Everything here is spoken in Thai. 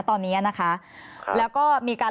ตอนนี้นะคะแล้วก็มีการ